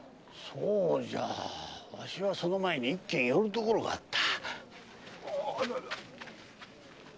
そうじゃわしはその前に一件寄る所があった。